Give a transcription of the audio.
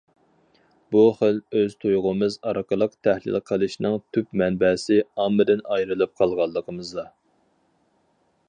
بۇ خىل ئۆز تۇيغۇمىز ئارقىلىق تەھلىل قىلىشنىڭ تۈپ مەنبەسى ئاممىدىن ئايرىلىپ قالغانلىقىمىزدا.